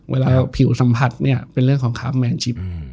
เวลาผิวสัมผัสเนี่ยเป็นเรื่องของคาร์แมนชิป